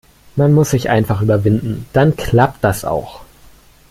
Man muss sich einfach überwinden. Dann klappt das auch.